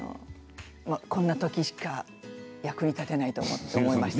こんなときしか役に立てないと思いまして。